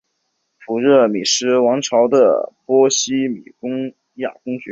普热米斯尔王朝的波希米亚公爵。